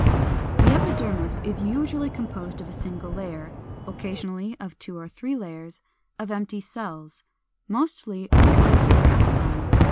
The epidermis is usually composed of a single layer, occasionally of two or three layers, of empty cells, mostly of irregular outline.